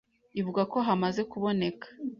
ivuga ko hamaze kuboneka